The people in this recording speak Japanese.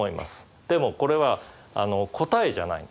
でもこれは答えじゃない。